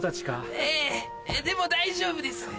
ええでも大丈夫です。